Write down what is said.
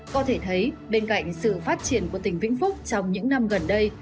có thể thấy bên cạnh sự phát triển của tỉnh vĩnh phúc trong những năm gần đây